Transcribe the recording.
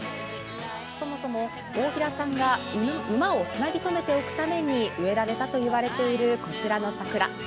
そもそも、大平さんが馬をつなぎ止めておくために植えられたと言われているこちらの桜。